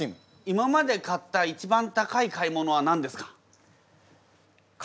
今まで買った一番高い買い物は何ですか？